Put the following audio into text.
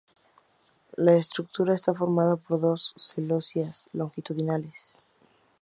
La estructura está formada por dos celosías longitudinales.